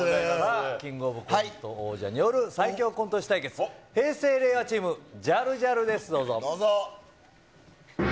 キングオブコント王者による最強コント師対決、平成・令和チーム、ジャルジャルです。